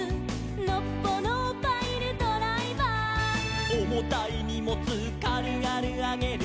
「のっぽのパイルドライバー」「おもたいにもつかるがるあげる」